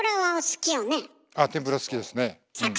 ああ天ぷら好きですね。